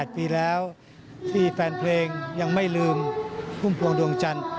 ๘ปีแล้วที่แฟนเพลงยังไม่ลืมพุ่มพวงดวงจันทร์